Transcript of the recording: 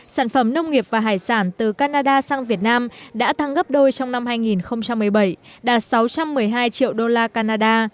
sản phẩm nông nghiệp và hải sản từ canada sang việt nam đã tăng gấp đôi trong năm hai nghìn một mươi bảy đạt sáu trăm một mươi hai triệu đô la canada